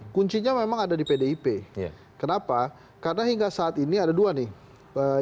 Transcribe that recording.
kuncinya memang ada di pdip kenapa karena hingga saat ini ada dua nih